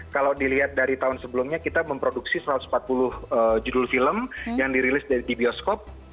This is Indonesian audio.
kalau dilihat dari tahun sebelumnya kita memproduksi satu ratus empat puluh judul film yang dirilis di bioskop